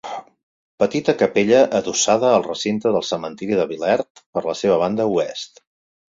Petita capella adossada al recinte del cementiri de Vilert per la seva banda oest.